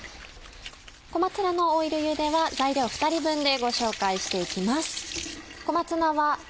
小松菜のオイルゆでは材料２人分でご紹介していきます。